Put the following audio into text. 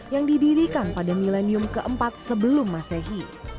yang didirikan pada milenium keempat sebelum masehi